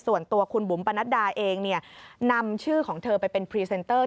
ส่วนตัวคุณบุ๋มปนัดดาเองนำชื่อของเธอไปเป็นพรีเซนเตอร์